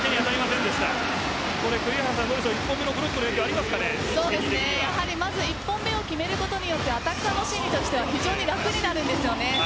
バルガスのサーブはやはりまず１本目を決めることによってアタッカー心理としては非常に楽になるんですよね。